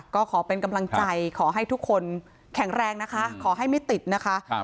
ก็ขอเป็นกำลังใจขอให้ทุกคนแข็งแรงนะคะขอให้ไม่ติดนะคะ